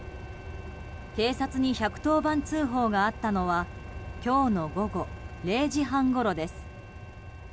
警察に１１０番通報があったのは今日の午後０時半ごろです。